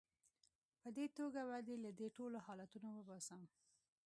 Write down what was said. په دې توګه به دې له دې ټولو حالتونو وباسم.